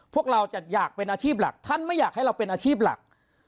พวกเราจะอยากเป็นอาชีพหลักท่านไม่อยากให้เราเป็นอาชีพหลัก